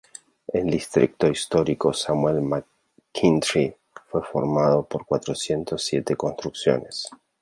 El Distrito histórico Samuel McIntyre está formado por cuatrocientos siete construcciones.